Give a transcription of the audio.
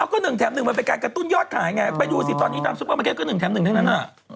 ก็๑แถม๑มันเป็นการกระตุ้นยอดขายไงไปดูสิตอนนี้ตามซุปเปอร์มาร์เก็๑แถม๑ทั้งนั้น